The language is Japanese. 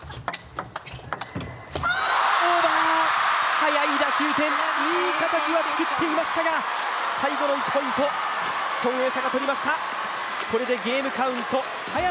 速い打球点、いい形はつくっていましたが最後の１ポイント、孫エイ莎が取りました。